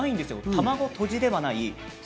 卵とじではないんです。